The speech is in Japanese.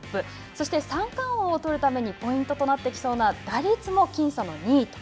そして三冠王を取るためにポイントとなってきそうな打率も僅差で２位と。